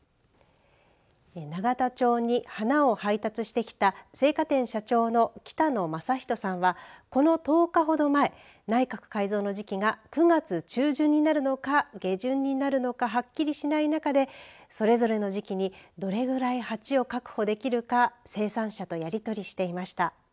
永田町に花を配達してきた生花店社長の北野雅史さんはこの１０日ほど前内閣改造の時期が９月中旬になるのか下旬になるのかはっきりしない中でそれぞれの時期にどれぐらい鉢を確保できるか生産者とやり取りしていました。